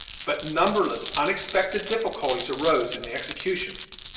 but numberless unexpected difficulties arose in the execution.